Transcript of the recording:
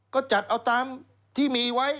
ก็จัดเอาตามที่มีไว้